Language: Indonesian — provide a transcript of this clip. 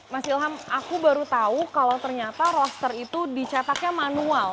mas ilham aku baru tahu kalau ternyata roster itu dicetaknya manual